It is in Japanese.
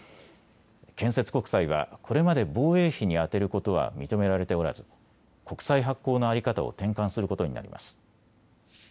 建設国債はこれまで防衛費に充てることは認められておらず、国債発行の在り方を転換することになります。